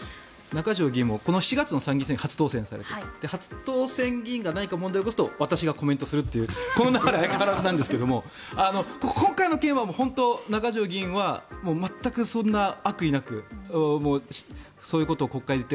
中条議員も７月の参議院選挙で初当選されて初当選議員が何か問題を起こすと私がコメントするというこの流れは相変わらずなんですが今回の件は本当に中条議員は全くそんな悪意なくそういうことを国会で。